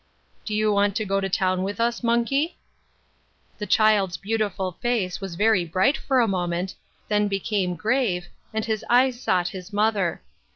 "Do you want to go to town with us, monkey ?" The child's beautiful face was very bright for a moment, then became grave, and his eyes sought his mother.